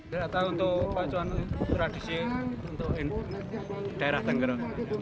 berapa tahun untuk pacuan tradisi untuk daerah tenggeru